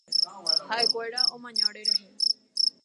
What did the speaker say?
Ha’ekuéra omaña orerehe.